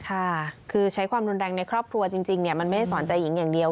ค่ะคือใช้ความรุนแรงในครอบครัวจริงมันไม่ได้สอนใจหญิงอย่างเดียว